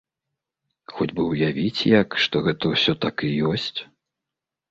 Хоць бы ўявіць як, што гэта ўсё так і ёсць.